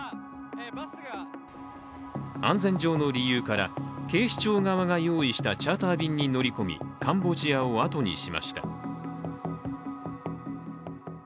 安全上の理由から警視庁側が用意したチャーター便に乗り込みカンボジアをあとにしました。